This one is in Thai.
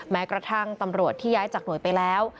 แม้กระทั่งตำรวจที่ย้ายจากหน่วยไปแล้ว